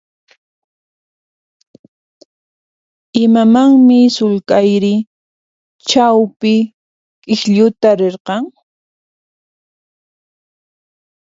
Imamanmi sullk'ayri chawpi k'iklluta rirqan?